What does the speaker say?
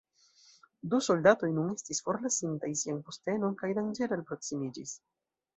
Du soldatoj nun estis forlasintaj sian postenon kaj danĝere alproksimiĝis.